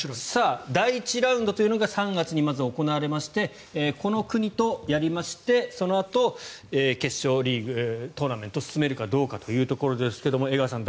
第１ラウンドというのがまず３月に行われましてこの国とやりましてそのあと決勝トーナメントに進めるかどうかというところですが江川さん